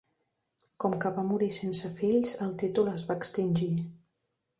Com que va morir sense fills, el títol es va extingir.